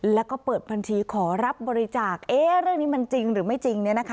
แล้วก็เปิดบัญชีขอรับบริจาคเรื่องนี้มันจริงหรือไม่จริง